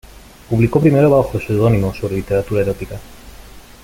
Publicó primero bajo seudónimo, sobre literatura erótica.